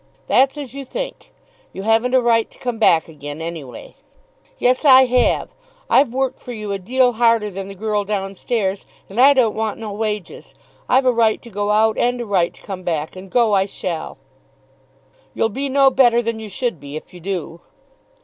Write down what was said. "That's as you think. You haven't a right to come back again, any way." "Yes, I have. I've worked for you a deal harder than the girl down stairs, and I don't want no wages. I've a right to go out, and a right to come back; and go I shall." "You'll be no better than you should be, if you do."